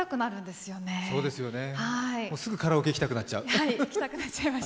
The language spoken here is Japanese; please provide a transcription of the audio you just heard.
すぐカラオケ行きたくなっちゃう。